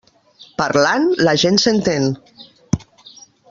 Parlant, la gent s'entén.